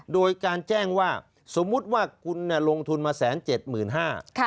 โดยการแจ้งว่าสมมุติว่าคุณลงทุนมา๑๗๕๐๐บาท